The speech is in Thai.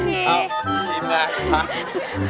ชิมแล้ว